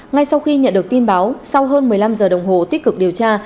ngay sau khi nhận được tin báo sau hơn một mươi năm giờ đồng hồ tích cực điều tra